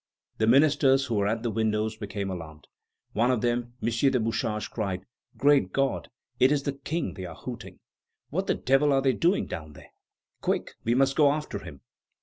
The ministers who were at the windows became alarmed. One of them, M. de Bouchage, cried: "Great God! it is the King they are hooting! What the devil are they doing down there? Quick; we must go after him!"